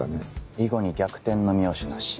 囲碁に逆転の妙手なし。